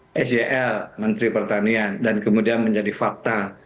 saya men tweet soal menteri pertanian dan kemudian menjadi fakta